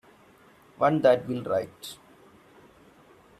One that will write.